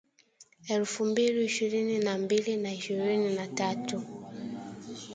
elfu mbili ishirini na mbili au ishirini na tatu